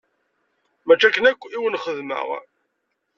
Mačči akken akk i wen-xedmeɣ!